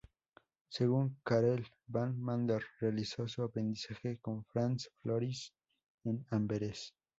Según Karel van Mander realizó su aprendizaje con Frans Floris en Amberes.